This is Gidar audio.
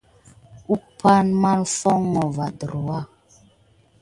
Umpay ne mā foŋko va ɗurwa.